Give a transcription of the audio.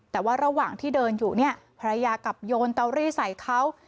แต่ว่าระหว่างที่เดินอยู่เนี่ยภรรยากลับโยนเตารี่ใส่เขา